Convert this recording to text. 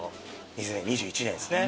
２０２１年ですね。